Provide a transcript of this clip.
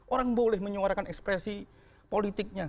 orang boleh menyuarakan ekspresi politiknya